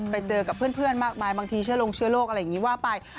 ไปเจอกับเพื่อนมากมายบางทีเชื่อลงเชื่อโรคอะไรอย่างนี้ว่าไป